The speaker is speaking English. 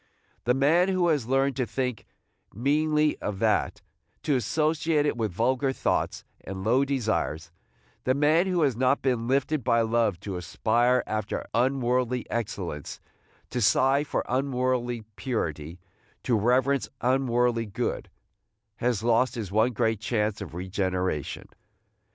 The man who has learned to think meanly of that, to associate it with vulgar thoughts and low desires, – the man who has not been lifted by love to aspire after unworldly excellence, to sigh for unworldly purity, to reverence unworldly good, – has lost his one great chance of regeneration.